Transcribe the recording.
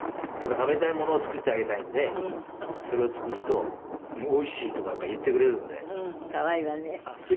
やっぱり食べたいものを作ってあげたいんでそれを作ると「おいしい」とかやっぱり言ってくれるので。